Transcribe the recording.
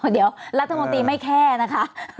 เดี๋ยวรัฐมนตรีไม่แคร์นะคะ